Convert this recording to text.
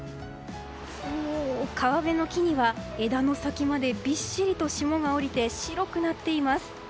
川辺の木には枝の先までびっしりと霜が降りて白くなっています。